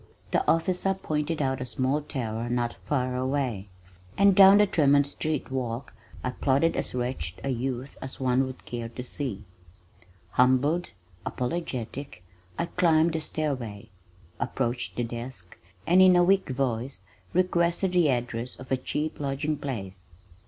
The officer pointed out a small tower not far away, and down the Tremont street walk I plodded as wretched a youth as one would care to see. Humbled, apologetic, I climbed the stairway, approached the desk, and in a weak voice requested the address of a cheap lodging place.